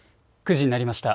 ９時になりました。